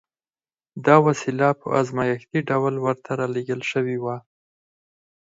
دا وسيله په ازمايښتي ډول ورته را لېږل شوې وه.